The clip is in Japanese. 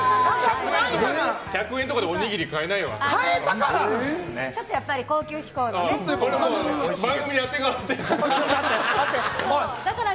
１００円とかでおにぎり買えないよ、あそこ。